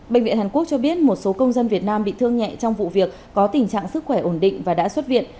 bệnh viện hàn quốc cho biết một số công dân việt nam bị thương nhẹ trong vụ việc có tình trạng sức khỏe ổn định và đã xuất viện